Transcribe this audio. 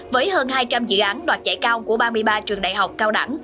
với hơn hai trăm linh dự án đoạt chạy cao của ba mươi ba trường đại học cao đẳng